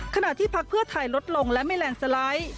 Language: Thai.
ขณะที่พักเพื่อไทยลดลงและไม่แลนด์สไลด์